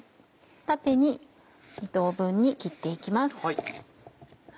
縦に２等分に切って行きます。